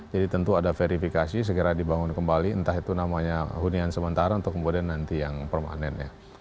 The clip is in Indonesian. jadi tentu ada verifikasi segera dibangun kembali entah itu namanya hunian sementara atau kemudian nanti yang permanen